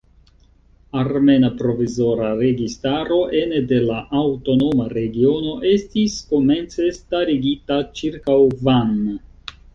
Armena provizora registaro ene de la aŭtonoma regiono estis komence starigita ĉirkaŭ Van.